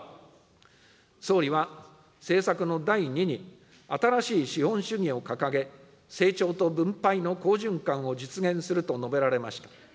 総理は、政策の第２に、新しい資本主義を掲げ、成長と分配の好循環を実現すると述べられました。